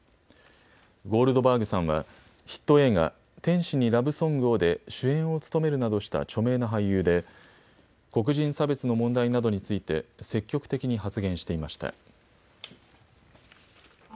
ゴールドバーグさんはヒット映画、天使にラブ・ソングをで主演を務めるなどした著名な俳優で黒人差別の問題などについて、積極的に発言していました。